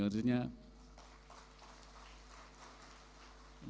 dan mampu menggaris